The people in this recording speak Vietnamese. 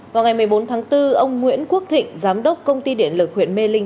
vào ngày một mươi bốn tháng bốn ông nguyễn quốc thịnh giám đốc công ty điện lực huyện mê linh